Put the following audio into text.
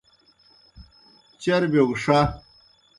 ڇوبِیو گہ ݜہ۔